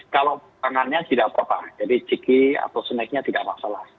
kalau tangannya tidak apa apa jadi ciki atau snacknya tidak masalah